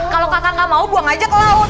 kalau kakak gak mau buang aja ke laut